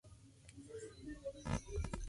Los habitantes fueron convertidos en esclavos.